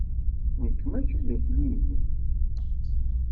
Nekk mačči d akli-inek.